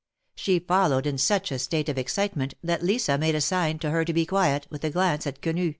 She followed in such a state of excitement that Lisa made a sign to her to be quiet, with a glance at Quenu.